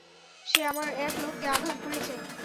সে আমার এক লোককে আঘাত করেছে!